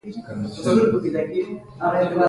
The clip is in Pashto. د احمد له کاره ناټ مات شو.